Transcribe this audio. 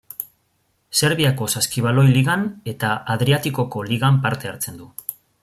Serbiako saskibaloi ligan eta Adriatikoko ligan parte hartzen du.